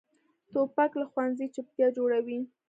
توپک له ښوونځي چپتیا جوړوي.